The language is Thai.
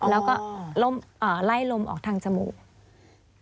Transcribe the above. แล้วก็ไล่ลมออกทางจมูก